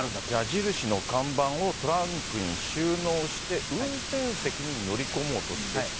矢印の看板をトランクに収納して、運転席に乗り込もうとして。